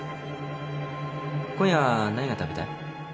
今夜は何が食べたい？